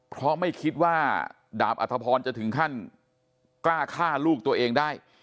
เพราะไม่คิดว่าดาบอัธพรจะถึงขั้นกล้าฆ่าลูกตัวเองได้